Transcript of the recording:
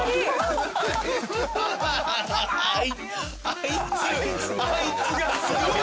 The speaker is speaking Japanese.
あいつあいつがすごい！